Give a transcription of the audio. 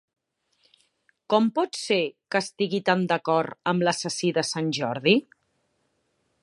Com pot ser que estigui tan d'acord amb l'assassí de sant Jordi?